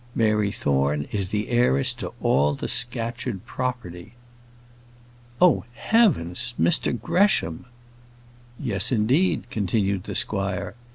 Mary Thorne is the heiress to all the Scatcherd property!" "Oh, heavens! Mr Gresham." "Yes, indeed," continued the squire.